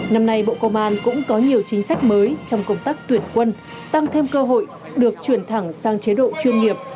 năm nay bộ công an cũng có nhiều chính sách mới trong công tác tuyển quân tăng thêm cơ hội được chuyển thẳng sang chế độ chuyên nghiệp